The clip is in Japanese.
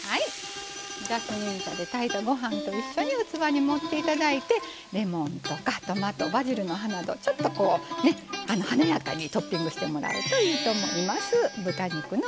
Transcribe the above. ジャスミン茶で炊いたご飯と一緒に器に盛っていただいてレモンとかトマトバジルの葉などちょっとこう華やかにトッピングしてもらうといいと思います。